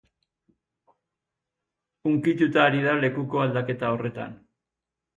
Hunkituta ari da lekuko aldaketa horretan.